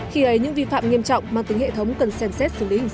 khi ấy những vi phạm nghiêm trọng mang tính hệ thống cần xem xét xử lý hình sự